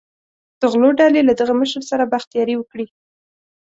د غلو ډلې له دغه مشر سره بخت یاري وکړي.